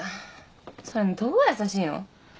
それのどこが優しいの？